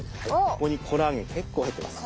ここにコラーゲン結構入ってます。